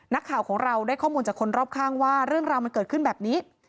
นักข่าวของเราได้ข้อมูลจากคนรอบข้างว่าเรื่องราวมันเกิดขึ้นแบบนี้